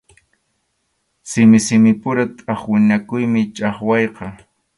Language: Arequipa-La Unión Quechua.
Simi simipura tʼaqwinakuymi chʼaqwayqa.